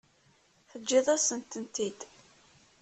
Teǧǧiḍ-asent-tent-id.